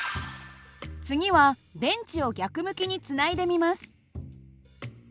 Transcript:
次は電池を逆向きにつないでみます。